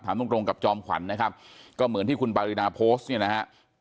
ตรงตรงกับจอมขวัญนะครับก็เหมือนที่คุณปารินาโพสต์เนี่ยนะฮะ